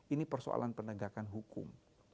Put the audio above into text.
ini persoalan penegakan hukum